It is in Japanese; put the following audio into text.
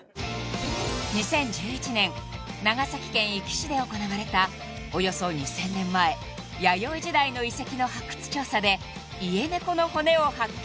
［２０１１年長崎県壱岐市で行われたおよそ２，０００年前弥生時代の遺跡の発掘調査でイエネコの骨を発見］